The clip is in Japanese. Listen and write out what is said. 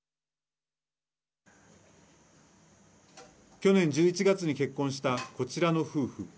去年１１月に結婚したこちらの夫婦。